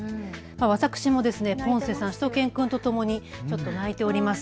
私もポンセさん、しゅと犬くんとともにちょっと泣いております。